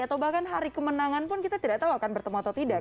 atau bahkan hari kemenangan pun kita tidak tahu akan bertemu atau tidak